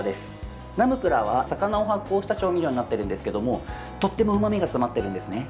ナムプラーは魚を発酵した調味料になってるんですけどもとっても、うまみが詰まっているんですね。